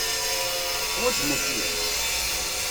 Teḥwaǧem učči?